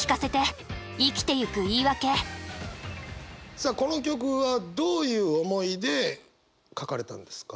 さあこの曲はどういう思いで書かれたんですか？